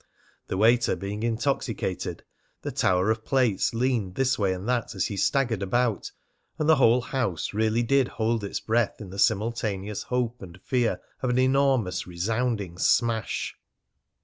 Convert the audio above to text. The waiter being intoxicated, the tower of plates leaned this way and that as he staggered about, and the whole house really did hold its breath in the simultaneous hope and fear of an enormous and resounding smash.